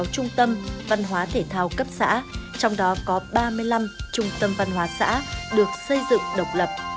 một trăm năm mươi sáu trung tâm văn hóa thể thao cấp xã trong đó có ba mươi năm trung tâm văn hóa xã được xây dựng độc lập